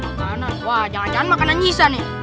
gimana wah jangan jangan makanan nyisa nih